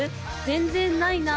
全然ないな